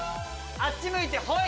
あっち向いてホイ！